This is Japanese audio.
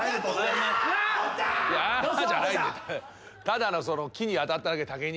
ただのその木に当たっただけ。